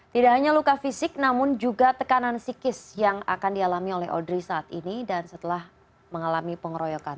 tidak hanya luka fisik namun juga tekanan psikis yang akan dialami oleh audrey saat ini dan setelah mengalami pengeroyokan